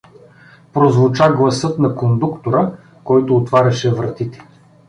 — прозвуча гласът на кондуктора, който отваряше вратите.